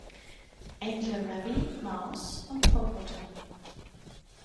Angel Rabbie, Mouse und Popotan.